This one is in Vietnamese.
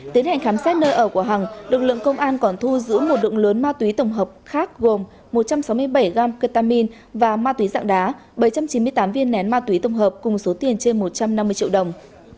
tiến hành khám xét nơi ở của hằng lực lượng công an còn thu giữ một lượng lớn ma túy tổng hợp khác gồm một trăm sáu mươi bảy gram ketamin và ma túy dạng đá bảy trăm chín mươi tám viên nén ma túy tổng hợp cùng số tiền trên một trăm năm mươi triệu đồng